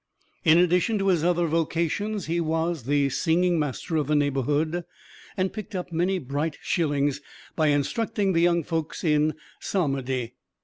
In addition to his other vocations, he was the singing master of the neighborhood, and picked up many bright shillings by instructing the young folks in psalmody.